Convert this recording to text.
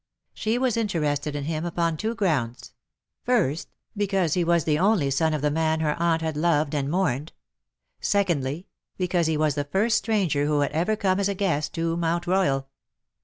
She was interested in him upon two grounds — first, because he was the only son of the man her aunt had loved and mourned ; secondly, because he was the first stranger who had ever come as a guest to Mount Royal.